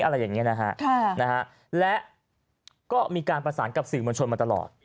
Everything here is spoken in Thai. อะไรอย่างนี้นะฮะและก็มีการประสานกับสื่อมวลชนมาตลอด